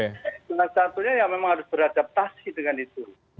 kita memang harus beradaptasi dengan itu